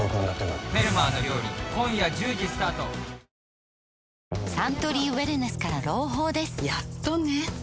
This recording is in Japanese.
メロメロサントリーウエルネスから朗報ですやっとね